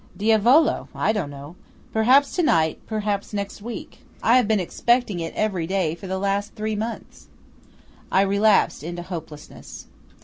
"Diavolo! I don't know. Perhaps to night–perhaps next week. I have been expecting it every day for the last three months!" I relapsed into hopelessness.